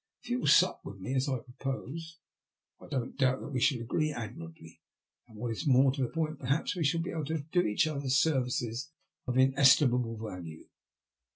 If you will sup with me as I propose, I don't doubt but that we shall agree admirably, and what is more to the point, perhaps, we shall be able to do each other services of inestimable value.